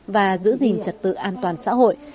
và giữ gìn trật tự an toàn xã hội